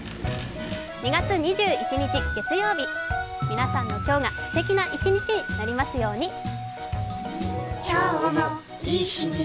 ２月２１日月曜日皆さんの今日がすてきな一日になりますように。